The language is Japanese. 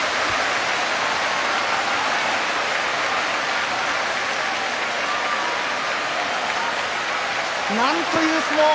拍手なんという相撲。